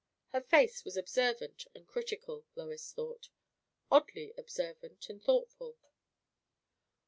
Her face was observant and critical, Lois thought; oddly observant and thoughtful.